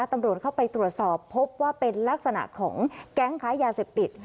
ตำรวจเข้าไปตรวจสอบพบว่าเป็นลักษณะของแก๊งค้ายาเสพติด